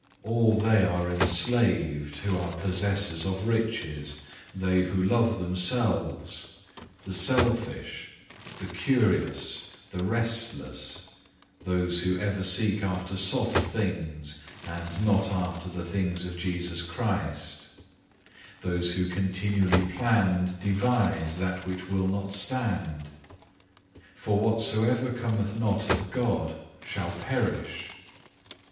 All they are enslaved who are possessors of riches, they who love themselves, the selfish, the curious, the restless; those who ever seek after soft things, and not after the things of Jesus Christ; those who continually plan and devise that which will not stand. For whatsoever cometh not of God shall perish.